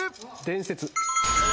伝説。